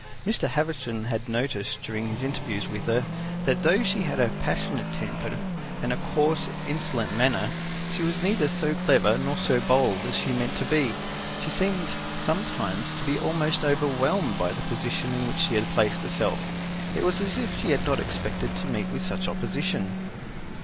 Mr. Havisham had noticed, during his interviews with her, that though she had a passionate temper, and a coarse, insolent manner, she was neither so clever nor so bold as she meant to be; she seemed sometimes to be almost overwhelmed by the position in which she had placed herself. It was as if she had not expected to meet with such opposition.